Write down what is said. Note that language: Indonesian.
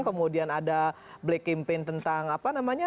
kemudian ada black campaign tentang apa namanya